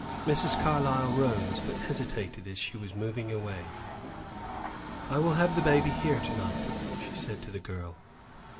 Mrs. Carlyle rose, but hesitated as she was moving away. "I will have the baby here to night," she said to the girl.